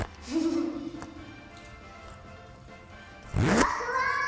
ふわふわ！